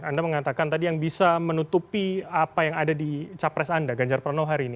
anda mengatakan tadi yang bisa menutupi apa yang ada di capres anda ganjar prano hari ini